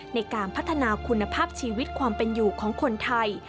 ในการพัฒนาคุณภาพชีวิตความเป็นอยู่ของคนไทย